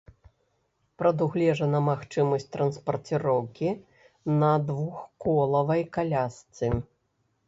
Прадугледжана магчымасць транспарціроўкі на двухколавай калясцы.